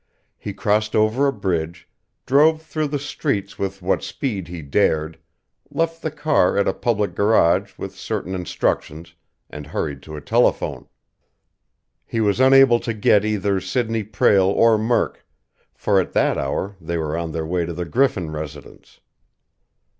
He crossed over a bridge, drove through the streets with what speed he dared, left the car at a public garage with certain instructions, and hurried to a telephone. He was unable to get either Sidney Prale or Murk, for at that hour they were on their way to the Griffin residence.